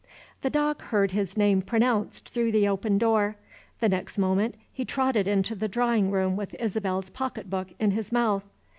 The dog heard his name pronounced through the open door. The next moment he trotted into the drawing room with Isabel's pocketbook in his mouth.